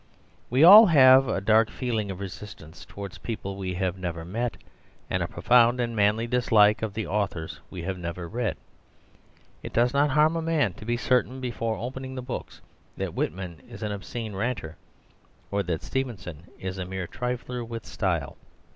We all have a dark feeling of resistance towards people we have never met, and a profound and manly dislike of the authors we have never read. It does not harm a man to be certain before opening the books that Whitman is an obscene ranter or that Stevenson is a mere trifler with style.